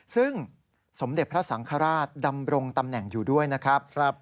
ซึ่งสมเด็จพระสังฆราชดำรงตำแหน่งอยู่ด้วยนะครับ